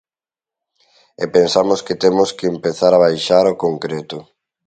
E pensamos que temos que empezar a baixar ao concreto.